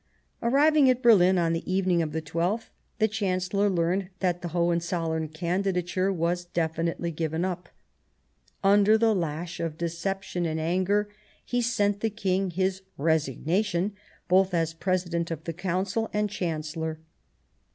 Arriving_ at Berlin on the evening of the 12th, the Chancellor learnt that the Hohenzollern candida ture was definitively given up Under the lash of deception and anger, he sent the King his resignation both as President of the Council and Chancellor.